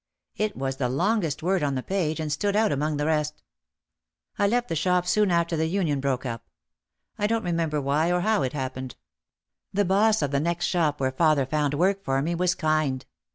It was the longest word on the page and stood out among the rest. I left the shop soon after the union broke up. I don't remember why or how it happened. The boss of the next shop where father found work for me was kind.